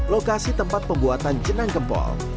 lokasi tempat pembuatan jenang gempol